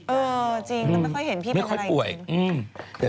เออจริงแล้วไม่ค่อยเห็นพี่เป็นคนป่วย